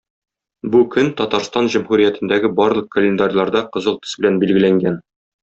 Бу көн Татарстан Җөмһүриятендәге барлык календарьларда кызыл төс белән билгеләнгән.